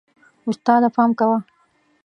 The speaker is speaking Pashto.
استاده، پام کوه.